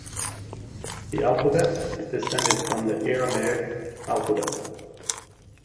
The alphabet is descended from the Aramaic alphabet.